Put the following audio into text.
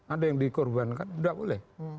ada yang dikorbankan tidak boleh